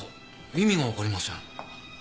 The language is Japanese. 意味がわかりません。